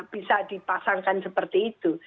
bisa dipasangkan seperti itu